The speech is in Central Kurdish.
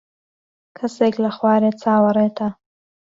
کەسێک لە خوارێ چاوەڕێتە.